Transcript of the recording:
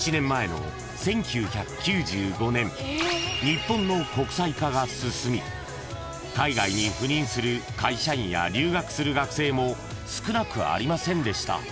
［日本の国際化が進み海外に赴任する会社員や留学する学生も少なくありませんでした］